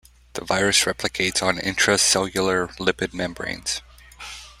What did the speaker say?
The virus replicates on intracellular lipid membranes.